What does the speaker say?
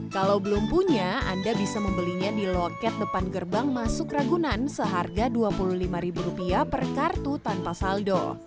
kalau belum punya anda bisa membelinya di loket depan gerbang masuk ragunan seharga rp dua puluh lima per kartu tanpa saldo